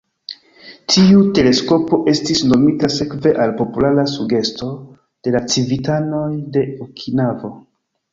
Tiu teleskopo estis nomita sekve al populara sugesto de la civitanoj de Okinavo.